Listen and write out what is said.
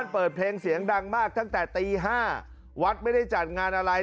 เปิดเพลงเสียงดังมากตั้งแต่ตี๕วัดไม่ได้จัดงานอะไร